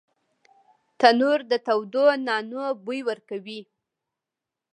تنور د تودو نانو بوی ورکوي